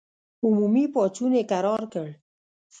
عمومي پاڅون یې کرار کړ.